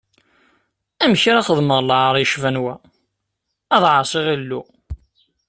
Amek ara xedmeɣ lɛaṛ yecban wa, ad ɛaṣiɣ Illu?